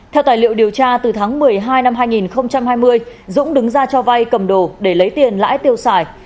theo tài liệu điều tra từ tháng một mươi hai năm hai nghìn hai mươi dũng đứng ra cho vay cầm đồ để lấy tiền lãi tiêu xài